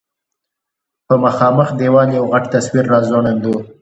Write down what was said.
په مخامخ دېوال یو غټ تصویر راځوړند و.